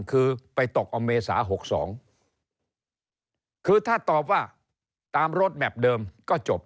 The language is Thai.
คือไปตกเอาเมษา๖๒คือถ้าตอบว่าตามรถแมพเดิมก็จบ